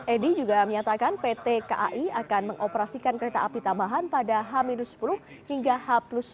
edy juga menyatakan pt kai akan mengoperasikan kereta api tambahan pada h sepuluh hingga h sepuluh